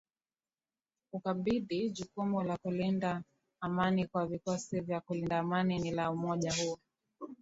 ukabidhi jukumu la kulinda amani kwa vikosi vya kulinda amani ni la umoja huo